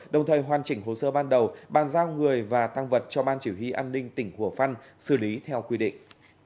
đồng thời hoàn chỉnh hồ sơ ban đầu bàn giao người và tăng vật cho ban chỉ huy an ninh tỉnh hùa phân xử lý theo quy định